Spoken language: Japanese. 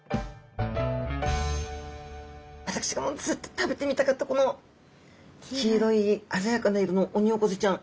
私がずっと食べてみたかったこの黄色い鮮やかな色のオニオコゼちゃん。